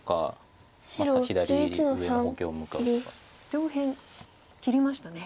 上辺切りましたね。